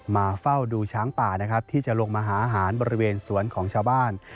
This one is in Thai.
เฝ้าดูช้างป่านะครับที่จะลงมาหาอาหารบริเวณสวนของชาวบ้าน